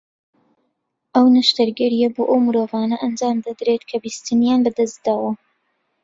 ئەو نەشتەرگەرییە بۆ ئەو مرۆڤانە ئەنجامدەدرێت کە بیستنیان لە دەست داوە